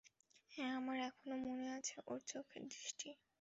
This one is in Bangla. হ্যাঁ, আমার এখনও মনে আছে ওর চোখের দৃষ্টি।